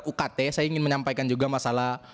ukt saya ingin menyampaikan juga masalah